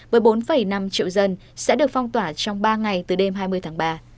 với bốn năm triệu dân sẽ được phong tỏa trong ba ngày từ đêm hai mươi tháng ba